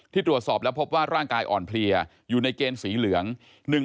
ตรวจสอบแล้วพบว่าร่างกายอ่อนเพลียอยู่ในเกณฑ์สีเหลือง